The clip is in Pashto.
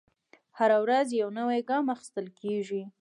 هره ورځ یو نوی ګام اخیستل دی.